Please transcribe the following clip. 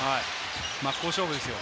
真っ向勝負ですよ。